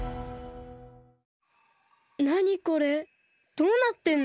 どうなってんの？